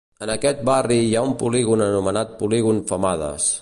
En aquest barri hi ha un polígon anomenat Polígon Femades.